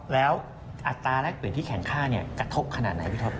แล้วอัตราแรกเปลี่ยนที่แข็งค่ากระทบขนาดไหนพี่ท็อ